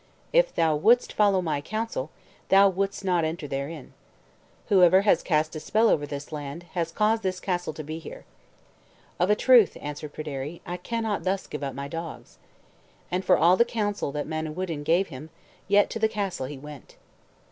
If thou wouldst follow my counsel, thou wouldst not enter therein. Whosoever has cast a spell over this land, has caused this castle to be here." "Of a truth," answered Pryderi, "I cannot thus give up my dogs." And for all the counsel that Manawyddan gave him, yet to the castle he went.